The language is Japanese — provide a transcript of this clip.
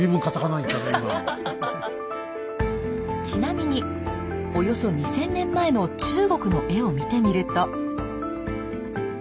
ちなみにおよそ２，０００年前の中国の絵を見てみると。